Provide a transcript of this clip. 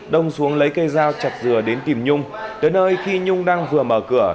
đông xuống lấy cây dao chặt dừa đến tìm nhung tới nơi khi nhung đang vừa mở cửa